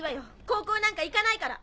高校なんか行かないから！